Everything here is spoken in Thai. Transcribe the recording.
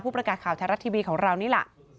ประกาศข่าวไทยรัฐทีวีของเรานี่แหละ